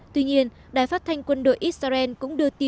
tuy nhiên đài phát thanh quân đội israel cũng đưa tin